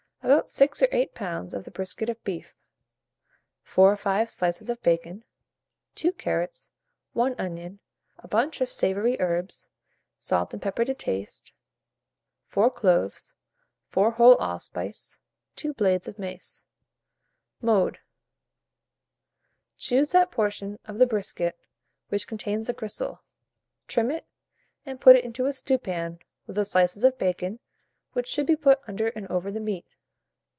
About 6 or 8 lbs. of the brisket of beef, 4 or 5 slices of bacon, 2 carrots, 1 onion, a bunch of savoury herbs, salt and pepper to taste, 4 cloves, 4 whole allspice, 2 blades of mace. Mode. Choose that portion of the brisket which contains the gristle, trim it, and put it into a stewpan with the slices of bacon, which should be put under and over the meat.